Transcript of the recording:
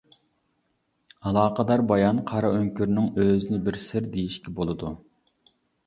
ئالاقىدار بايان قارا ئۆڭكۈرنىڭ ئۆزىنى بىر سىر دېيىشكە بولىدۇ.